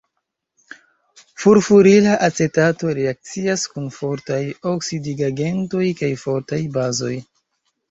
Furfurila acetato reakcias kun fortaj oksidigagentoj kaj fortaj bazoj.